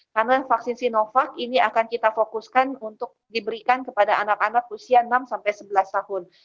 karena vaksin sinovac ini akan kita fokuskan untuk diberikan kepada anak anak usia enam sebelas tahun